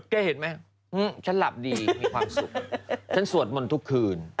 แกเห็นไหมฉันหลับดีมีความสุขฉันสวดมนต์ทุกคืน